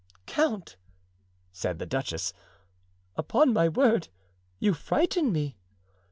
"Count," said the duchess, "upon my word, you frighten me."